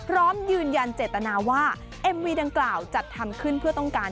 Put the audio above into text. พร้อมยืนยันเจตนาว่าเอ็มวีดังกล่าวจัดทำขึ้นเพื่อต้องการ